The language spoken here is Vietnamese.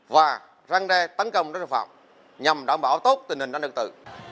và răng đe tấn công đất nước phòng nhằm đảm bảo tốt tình hình đất nước tự